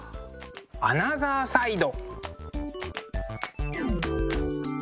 アナザーサイド。